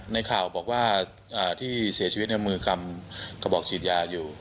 ในข่าวบอกว่าที่เสียชีวิตในมือกำกระบอกฉีดยาอยู่